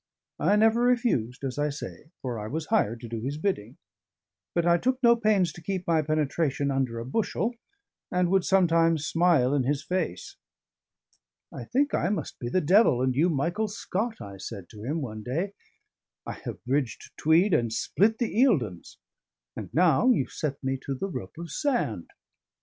I never refused, as I say, for I was hired to do his bidding; but I took no pains to keep my penetration under a bushel, and would sometimes smile in his face. "I think I must be the devil and you Michael Scott," I said to him one day. "I have bridged Tweed and split the Eildons; and now you set me to the rope of sand."